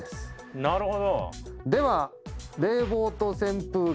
なるほど。